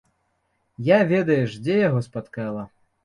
Я ведаеш дзе яго спаткала?